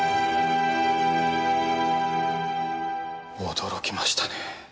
驚きましたね。